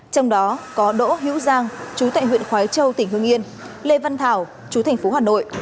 trong đó có đỗ hữu giang chú tệ huyện khói châu tp hương yên lê văn thảo chú tp hà nội